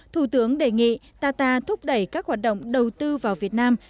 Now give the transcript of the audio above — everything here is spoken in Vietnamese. thủ tướng đề nghị arta thúc đẩy các hoạt động đầu tư vào việt nam